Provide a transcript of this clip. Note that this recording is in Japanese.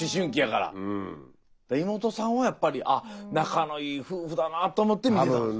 妹さんはやっぱり「あっ仲のいい夫婦だなあ」と思って見てたんです。